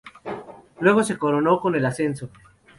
Luego se coronó con el ascenso.